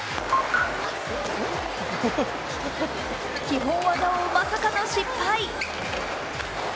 基本技をまさかの失敗。